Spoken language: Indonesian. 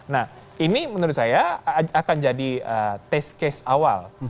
nah ini menurut saya akan jadi test case awal